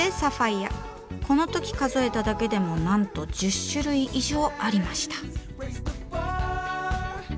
この時数えただけでもなんと１０種類以上ありました。